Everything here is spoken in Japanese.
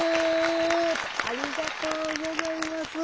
ありがとうございます。